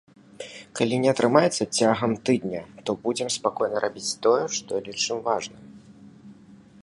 Калі не атрымаецца цягам тыдня, то будзем спакойна рабіць тое, што лічым важным.